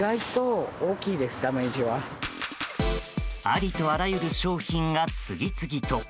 ありとあらゆる商品が次々と。